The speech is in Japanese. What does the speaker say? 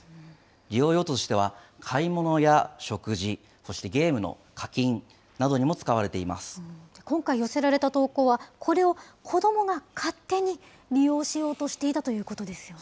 利用用途としては、買い物や食事、そしてゲームの課金などにも使わ今回寄せられた投稿は、これを子どもが勝手に利用しようとしていたということですよね。